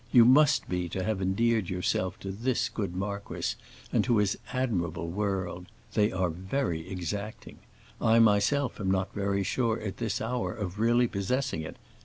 You must be, to have endeared yourself to this good marquis and to his admirable world. They are very exacting. I myself am not very sure at this hour of really possessing it.